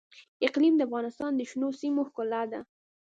اقلیم د افغانستان د شنو سیمو ښکلا ده.